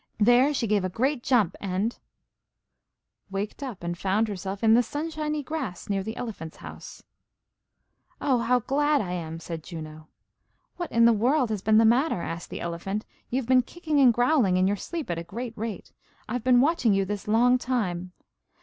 There she gave a great jump, and, waked up, and found herself in the sunshiny grass near the elephant's house. "Oh, how glad I am!" said Juno. "What in the world has been the matter?" asked the elephant. "You've been kicking and growling in your sleep at a great rate. I've been watching you this long time."